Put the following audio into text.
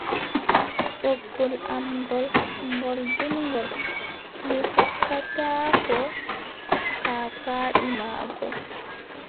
Ɓoggol am ngool, ngol juutngol, Mi jokkataako kaakaadi maagol.